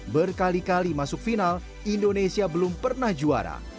berkali kali masuk final indonesia belum pernah juara